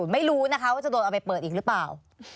ไม่รู้นะคะว่าจะโดนเอาไปเปิดอีกหรือเปล่า